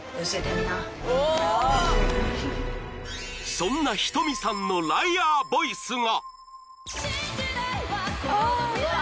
［そんなｈｉｔｏｍｉさんのライアーボイスが］